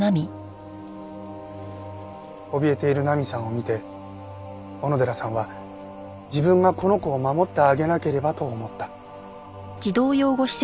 おびえている菜美さんを見て小野寺さんは自分がこの子を守ってあげなければと思った。